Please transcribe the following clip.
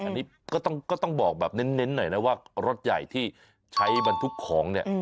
อันนี้ก็ต้องบอกแบบเน้นหน่อยนะว่ารถใหญ่ที่ใช้บรรทุกของเนี่ย